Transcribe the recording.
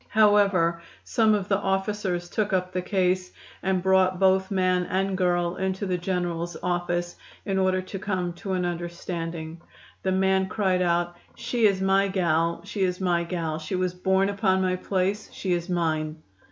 However, some of the officers took up the case and brought both man and girl into the General's office, in order to come to an understanding. The man cried out, "She is my gal; she is my gal; she was born upon my place; she is mine."